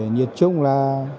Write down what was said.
nhiệt chung là